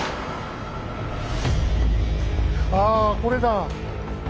ああこれだ。